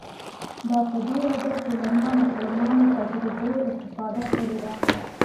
دا په دې وجه چې له نامسلمانو تجربو استفاده کړې ده.